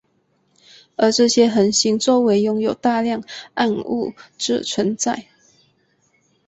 而这些恒星周围可能有大量暗物质存在。